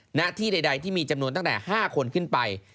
หน้าที่ใดที่มีจำนวนตั้งแต่๕คนขึ้นไป